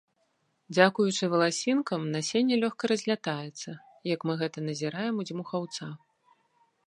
Дзякуючы валасінкам насенне лёгка разлятаецца, як мы гэта назіраем у дзьмухаўца.